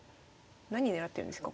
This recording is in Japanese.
何狙ってるんですか？